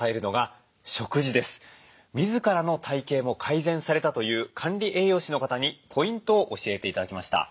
自らの体形も改善されたという管理栄養士の方にポイントを教えて頂きました。